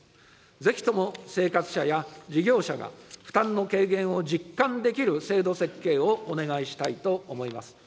ぜひとも生活者や事業者が負担の軽減を実感できる制度設計をお願いしたいと思います。